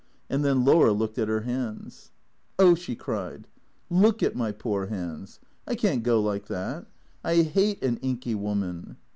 And then Laura looked at her hands. " Oh," she cried, " look at my poor hands. I can't go like that. I liaie an inky woman."